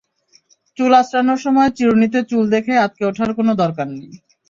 চুল আঁচড়ানোর সময় চিরুনিতে চুল দেখে আঁতকে ওঠার কোনো দরকার নেই।